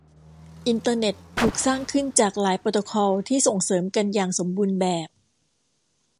อินเตอร์เน็ตถูกสร้างขึ้นจากหลายโปรโตคอลที่ส่งเสริมกันอย่างสมบูรณ์แบบ